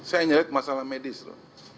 saya hanya lihat masalah medis loh